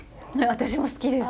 私も好きです。